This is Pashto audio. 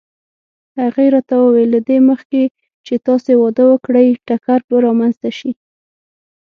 هغې راته وویل: له دې مخکې چې تاسې واده وکړئ ټکر به رامنځته شي.